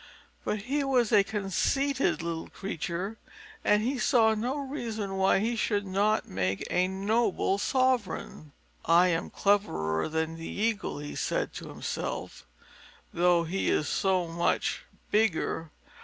But he was a conceited little creature, and saw no reason why he should not make a noble sovereign. "I am cleverer than the Eagle," he said to himself, "though he is so much bigger.